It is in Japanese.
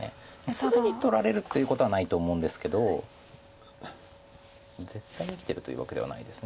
すぐに取られるということはないと思うんですけど絶対に生きてるというわけではないです。